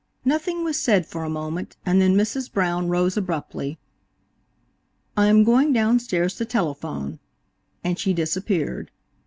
Nothing was said for a moment, and then Mrs. Brown rose abruptly. "I am going down stairs to telephone," and she disappeared.